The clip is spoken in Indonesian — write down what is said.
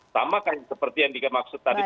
sama kan seperti yang dimaksud tadi